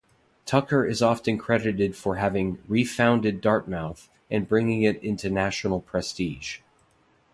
Tucker is often credited for having "refounded Dartmouth" and bringing it into national prestige.